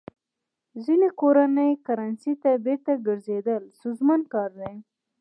خپلې کورنۍ کرنسۍ ته بېرته ګرځېدل ستونزمن کار دی.